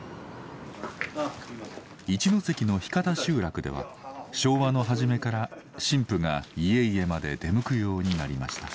一関の日形集落では昭和の初めから神父が家々まで出向くようになりました。